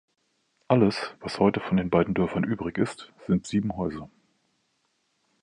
Alles, was heute von den beiden Dörfern übrig ist, sind sieben Häuser.